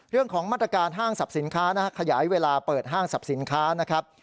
เรื่องของมาตรการห้างสรรพสินค้านะฮะขยายเวลาเปิดห้างสรรพสินค้านะครับ